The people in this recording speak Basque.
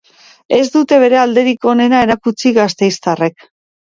Ez dute bere alderik onena erakutsi gasteiztarrek.